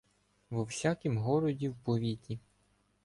Во всякім городі, в повіті!